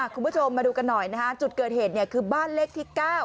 คุณผู้ชมมาดูกันหน่อยนะฮะจุดเกิดเหตุคือบ้านเลขที่๙